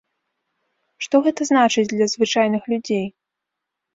Што гэта значыць для звычайных людзей?